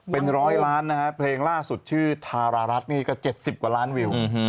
เป็นร้อยล้านนะฮะเพลงล่าสุดชื่อทารารัฐนี่ก็๗๐กว่าล้านวิว